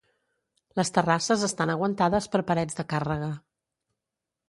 Les terrasses estan aguantades per parets de càrrega.